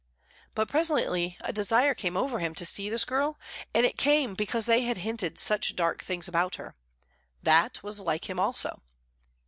But presently a desire came over him to see this girl, and it came because they had hinted such dark things about her. That was like him also.